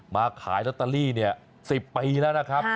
มาขายลัตเตอรี่เนี่ย๑๐ปีแล้วนะครับ